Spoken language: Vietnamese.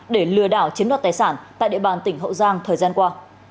để lừa đảo chiếm đoạt tài sản tại địa bàn tỉnh hậu giang thời gian qua